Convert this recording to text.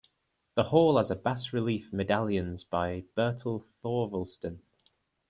The hall has bas-relief medallions by Bertel Thorvaldsen.